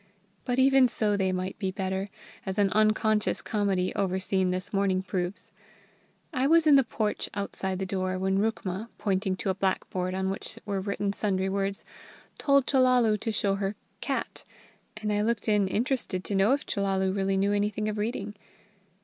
But even so they might be better, as an unconscious comedy over seen this morning proves. I was in the porch outside the door, when Rukma, pointing to a blackboard on which were written sundry words, told Chellalu to show her "cat," and I looked in interested to know if Chellalu really knew anything of reading.